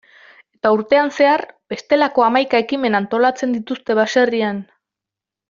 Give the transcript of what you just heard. Eta urtean zehar, bestelako hamaika ekimen antolatzen dituzte baserrian.